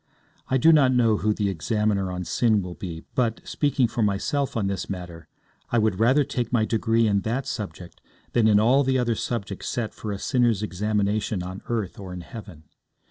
I do not know who the examiner on sin will be, but, speaking for myself on this matter, I would rather take my degree in that subject than in all the other subjects set for a sinner's examination on earth or in heaven.